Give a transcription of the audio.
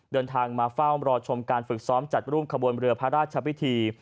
เดินทางมาเฝ้ารอชมการฝึกซ้อมจัดรูปขบวนเรือพระราชพิธี